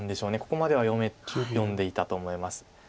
ここまでは読んでいたと思います。